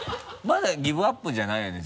まだギブアップじゃないよね？